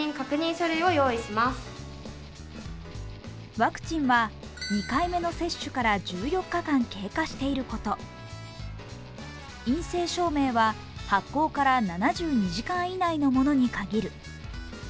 ワクチンは２回目の接種から１４日間経過していること、陰性証明は発行から７２時間以内のものに限る。